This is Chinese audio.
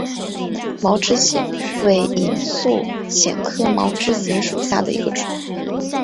毛枝藓为隐蒴藓科毛枝藓属下的一个种。